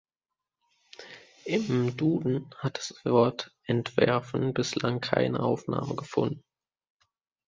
Im Duden hat das Wort Entwerfen bislang keine Aufnahme gefunden.